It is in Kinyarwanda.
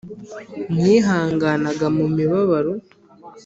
mwihanganaga mu mibabaro